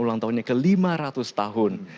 ulang tahunnya ke lima ratus tahun